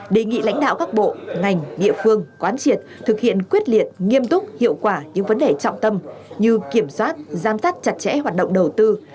đề nghị lãnh đạo các bộ ngành địa phương quán triệt thực hiện quyết liệt nghiêm túc hiệu quả những vấn đề trọng tâm như kiểm soát giám sát chặt chẽ hoạt động đầu tư